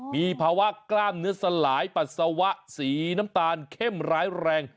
มีภาวะกล้ามเนื้อสลายปัสสาวะสีน้ำตาลเข้มร้ายแรง